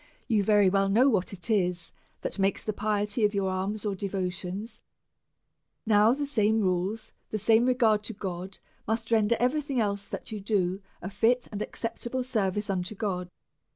You very well know what it is that makes the piety of your alms or devotions ; now, the same rules, the same regard to God, must render every thing else that you do a fit and acceptable ser vice unto God.